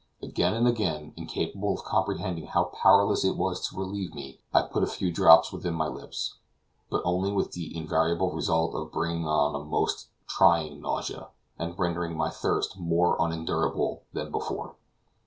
Again and again, incapable of comprehending how powerless it was to relieve me, I put a few drops within my lips, but only with the invariable result of bringing on a most trying nausea, and rendering my thirst more unendurable than before.